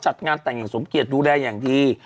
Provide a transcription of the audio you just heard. จัดงานแต่งอย่างสมเกียจดูแลอย่างดี